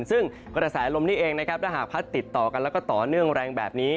ซึ่งกระแสลมนี้เองนะครับถ้าหากพัดติดต่อกันแล้วก็ต่อเนื่องแรงแบบนี้